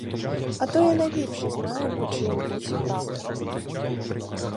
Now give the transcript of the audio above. А то я найліпше знаю, по чиїм боці правда.